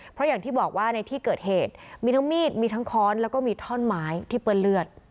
เพราะอย่างที่บอกว่าในที่เกิดเหตุมีทั้งมีดมีทั้งค้อนแล้วก็มีท่อนไม้ที่เปื้อนเลือด